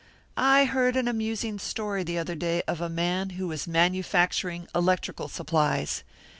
I heard an amusing story the other day of a man who was manufacturing electrical supplies.